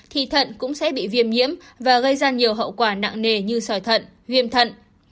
thì thận cũng sẽ bị viêm nhiễm và gây ra nhiều hậu quả nặng nề như sỏi thận viêm thận